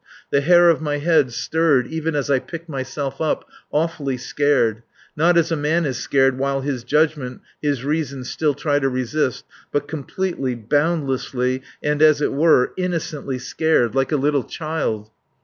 The hair of my head stirred even as I picked myself up, awfully scared; not as a man is scared while his judgment, his reason still try to resist, but completely, boundlessly, and, as it were, innocently scared like a little child.